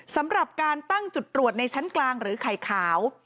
สำหรับการตั้งจุดตรวจในชั้นกลางหรือไข่ขาว